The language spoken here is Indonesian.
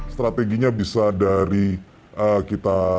strateginya bisa dari kita